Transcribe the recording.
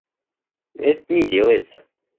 Это не делается.